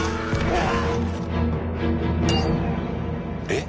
えっ？